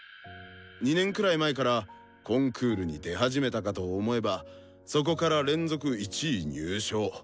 ２年くらい前からコンクールに出始めたかと思えばそこから連続１位入賞。